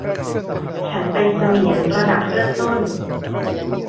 ฉันเป็นเสมียนระดับเริ่มต้น